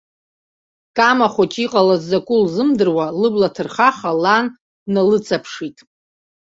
Кама хәыҷы иҟалаз закәу лзымдыруа, лыбла ҭырхаха лан дналыҵаԥшит.